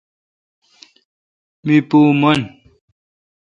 می پو من۔